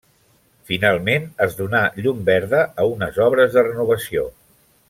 Finalment es donà llum verda a unes obres de renovació.